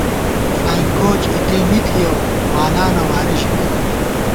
فلائینگ کوچ اِتےمی تھِیَؤ، مالانہ واری ژِمېت